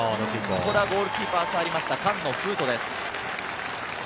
これはゴールキーパーが触りました菅野颯人です。